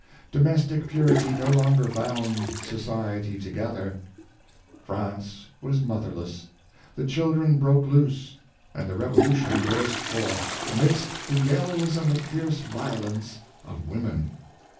Domestic purity no longer bound society together. France was mother less; the children broke loose; and the Revolution burst forth, " amidst the yells and the fierce violence of women.''